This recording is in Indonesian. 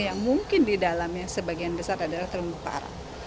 yang mungkin di dalamnya sebagian besar adalah terumbu karang